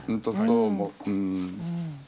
うん。